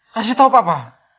kasih tahu papa